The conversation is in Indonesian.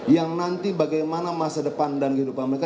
yang nanti bagaimana masa depan dan kehidupan mereka